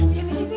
biar di sini